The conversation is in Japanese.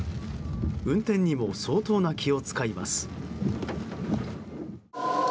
運転にも相当の気を使います。